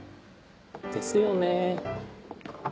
ですよね。